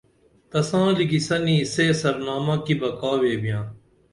تساں لِکی سنی سے سرنامہ کی بہ کا ویبِیاں